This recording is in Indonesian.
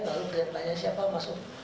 lalu tanya siapa masuk